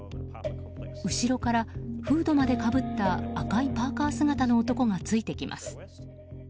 後ろからフードまでかぶった赤いパーカ姿の男がついてきます。